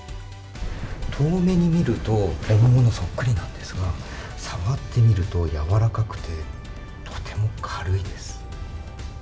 遠目に見ると、本物そっくりなんですが、触ってみると柔らかくて、とても軽いです。